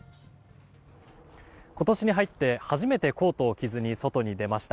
今年に入って初めてコートを着ずに外に出ました。